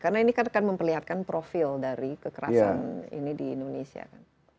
karena ini kan memperlihatkan profil dari kekerasan ini di indonesia kan